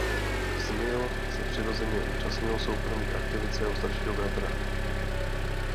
Smil se přirozeně účastnil soukromých aktivit svého staršího bratra.